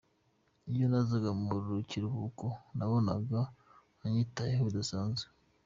Iyo nazaga mu kiruhuko, nabonaga anyitayeho bidasanzwe.